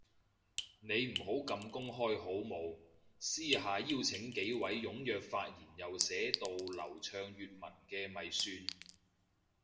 你唔好咁公開好冇，私下邀請幾位踴躍發言又寫到流暢粵文嘅咪算